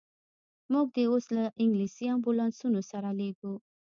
موږ دي اوس له انګلیسي امبولانسونو سره لېږو.